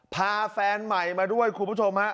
พาแฟนใหม่มาด้วยคุณผู้ชมฮะ